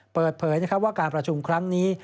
เปิดเผยว่าการประชุมครั้งนี้